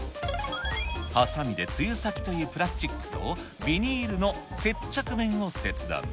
はさみで露先というプラスチックとビニールの接着面を切断。